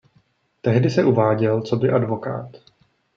Tehdy se uváděl coby advokát.